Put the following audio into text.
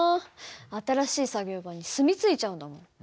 新しい作業場に住み着いちゃうんだもん。